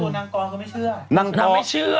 แต่ตัวนางกอก็ไม่เชื่อ